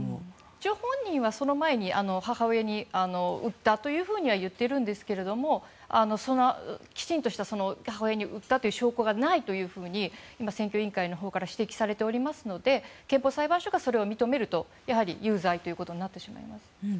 一応、本人はその前に母親に売ったと言ってるんですけれどもきちんとした母親に売ったという証拠がないと選挙委員会のほうから指摘されておりますので憲法裁判所がそれを認めると有罪となってしまいます。